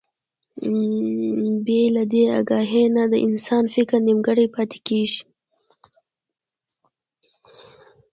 بې له دې اګاهي نه د انسان فکر نيمګړی پاتې کېږي.